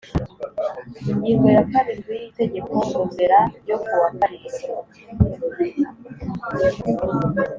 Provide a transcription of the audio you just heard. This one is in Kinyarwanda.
Ingingo ya karindwi y Itegeko nomera ryo ku wa karindwi